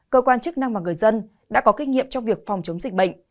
cơ quan chức năng và người dân đã có kinh nghiệm trong việc phòng chống dịch bệnh